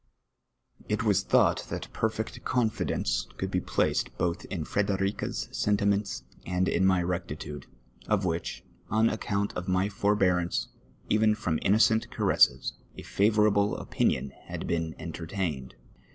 It was thought that perfect confidence could be i)laced both in Frederica's sentiments and in my rectitude, of which, on account of my forbearance even from innocent caresses, a favourable oi)inion had been entertained.